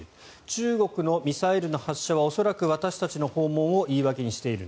中国のミサイルの発射は恐らく私たちの訪問を言い訳にしている。